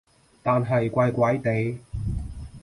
但係怪怪地